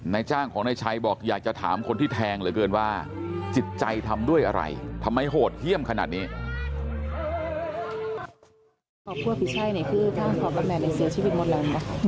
จ้างของนายชัยบอกอยากจะถามคนที่แทงเหลือเกินว่าจิตใจทำด้วยอะไรทำไมโหดเยี่ยมขนาดนี้